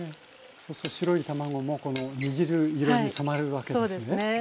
そうすると白い卵もこの煮汁色に染まるわけですね。